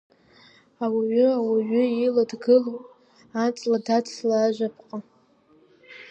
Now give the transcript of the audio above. Ауаҩы ауаҩы ила дгылоуп, аҵла дацла Ажәаԥҟа.